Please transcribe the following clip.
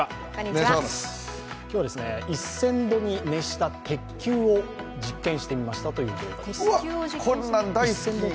今日は１０００度に熱した鉄球を実験してみましたという映像です。